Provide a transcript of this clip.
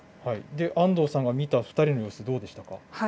安藤さんが見た２人の様子、どうでしたか。